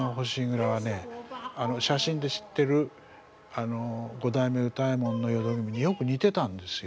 写真で知ってる五代目歌右衛門の淀君によく似てたんですよ。